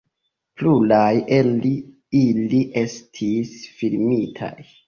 Pluraj el ili estis filmitaj.